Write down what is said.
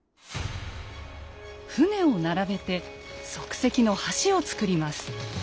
舟を並べて即席の橋をつくります。